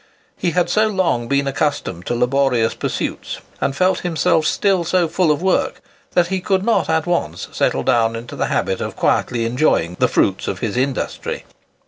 He had so long been accustomed to laborious pursuits, and felt himself still so full of work, that he could not at once settle down into the habit of quietly enjoying the fruits of his industry.